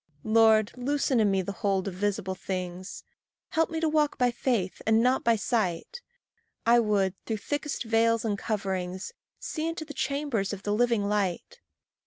Lord, loosen in me the hold of visible things; Help me to walk by faith and not by sight; I would, through thickest veils and coverings, See into the chambers of the living light.